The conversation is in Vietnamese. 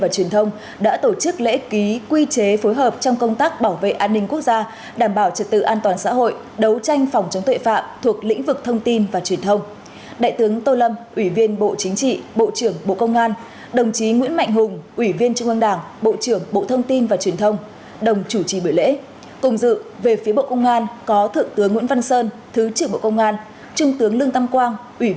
cùng dự về phía bộ công an có thượng tướng nguyễn văn sơn thứ trưởng bộ công an trung tướng lương tâm quang ủy viên trung ương đảng thứ trưởng bộ công an